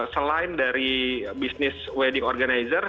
selain dari bisnis wedding organizer